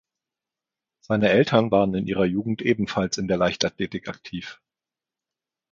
Seine Eltern waren in ihrer Jugend ebenfalls in der Leichtathletik aktiv.